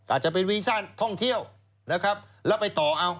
อาจจะเป็นวีซ่านท่องเที่ยวนะครับแล้วไปต่อเอา